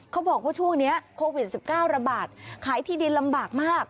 เขาบอกว่าช่วงนี้โควิด๑๙ระบาดขายที่ดินลำบากมาก